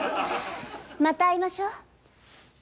また会いましょう。